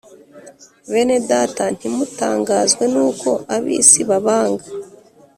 Bene Data, ntimutangazwe n’uko ab’isi babanga.